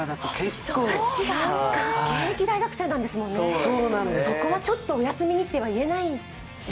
そうか、現役大学生なんですもんね、そこはお休みにって言えないですね。